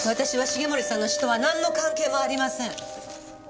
私は重森さんの死とはなんの関係もありません。